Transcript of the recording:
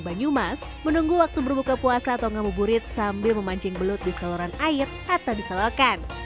banyumas menunggu waktu berbuka puasa atau ngabuburit sambil memancing belut di saluran air atau di selokan